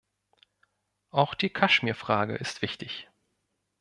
Auch die Kaschmirfrage ist wichtig.